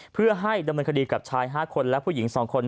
เพื่อให้ดำเนินคดีกับชาย๕คนและผู้หญิง๒คน